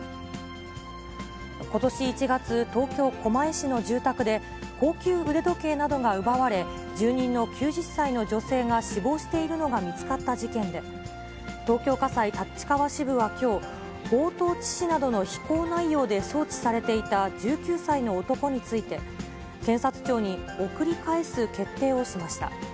ことし１月、東京・狛江市の住宅で、高級腕時計などが奪われ、住人の９０歳の女性が死亡しているのが見つかった事件で、東京家裁立川支部はきょう、強盗致死などの非行内容で送致されていた１９歳の男について、検察庁に送り返す決定をしました。